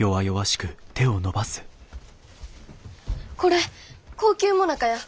これ高級もなかや。